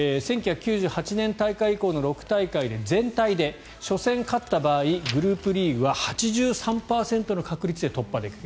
１９９８年大会以降の６大会で全体で初戦勝った場合グループリーグは８３％の確率で突破できる。